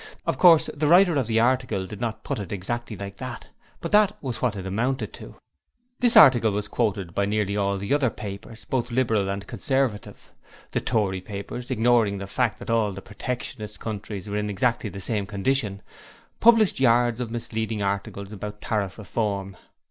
Of course, the writer of the article did not put it exactly like that, but that was what it amounted to. This article was quoted by nearly all the other papers, both Liberal and Conservative. The Tory papers ignoring the fact that all the Protectionist countries were in exactly the same condition, published yards of misleading articles about Tariff Reform.